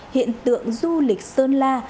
hiện tượng du lịch sơn la